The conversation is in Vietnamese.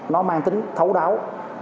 nó mang tính thấu đáo